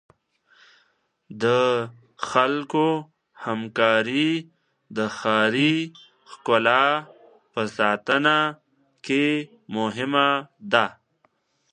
د خلکو همکاري د ښاري ښکلا په ساتنه کې مهمه ده.